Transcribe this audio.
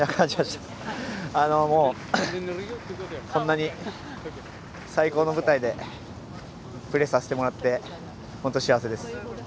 こんなに最高の舞台でプレーさせてもらって本当、幸せです。